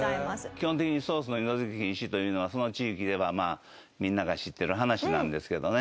基本的にソースの二度づけ禁止というのはその地域ではみんなが知ってる話なんですけどね